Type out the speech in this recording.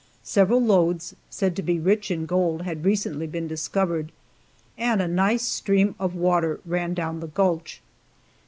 Several lodes, said to be rich in gold, had recently been discovered, and a nice stream of water ran down the gulch.